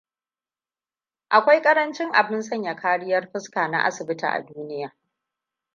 Akwai karancin abin Sanya Kariyar Fuska na asibiti a duniya.